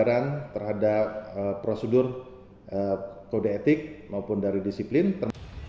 menerjunkan tim bidang polda lampung